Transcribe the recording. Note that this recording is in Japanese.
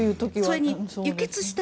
それに、輸血した